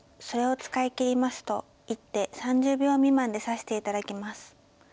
それを使い切りますと一手３０秒未満で指して頂きます。